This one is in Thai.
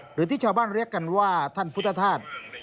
หรือที่ชาวบ้านเรียกกันว่าท่านพุทธธาตุ